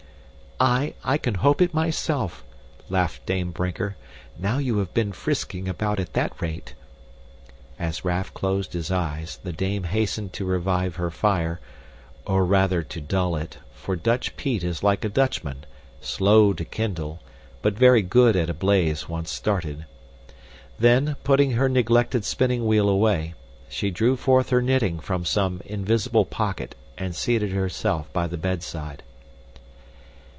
"Aye! I can hope it myself," laughed Dame Brinker, "now you have been frisking about at that rate." As Raff closed his eyes, the dame hastened to revive her fire, or rather to dull it, for Dutch peat is like a Dutchman, slow to kindle, but very good at a blaze once started. Then, putting her neglected spinning wheel away, she drew forth her knitting from some invisible pocket and seated herself by the bedside.